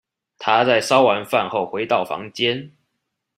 她在燒完飯後回到房間